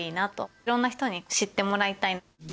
いろんな人に知ってもらいたい。